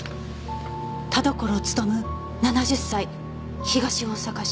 「田所勉７０歳東大阪市」。